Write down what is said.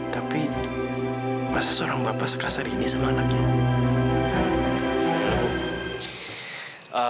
tapi masih seorang bapak sekasar ini sama anaknya